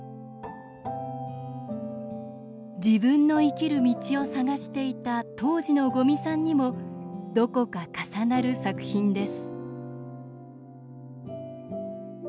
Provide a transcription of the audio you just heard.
自分の生きる道を探していた当時の五味さんにもどこか重なる作品です